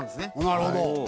なるほど。